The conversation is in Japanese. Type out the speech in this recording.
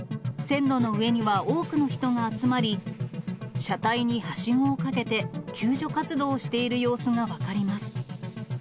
線路の上には多くの人が集まり、車体にはしごをかけて、救助活動をしている様子が分かります。